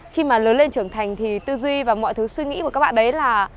khi mà lớn lên trưởng thành thì tư duy và mọi thứ suy nghĩ của các bạn đấy là